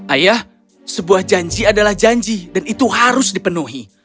ayah sebuah janji adalah janji dan itu harus dipenuhi